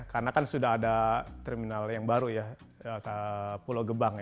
karena kan sudah ada terminal yang baru ya pulau gebang ya